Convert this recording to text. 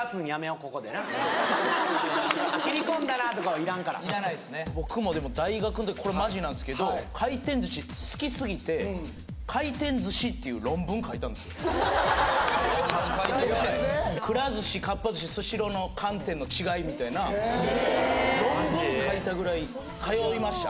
ここでな僕もでも大学ん時これマジなんですけど回転寿司好きすぎてほんまに書いてんかいくら寿司かっぱ寿司スシローの観点の違いみたいな論文書いたぐらい通いました